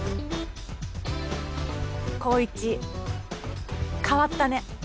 紘一変わったね。